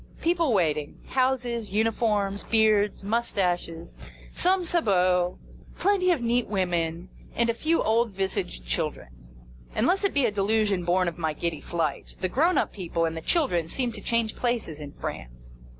People waiting. Houses, uniforms, beards, moustaches, some sabots, plenty of neat women, and a few old visaged children. Unless it be a delusion born of my giddy flight, the grown up people and the children seem to change places in France.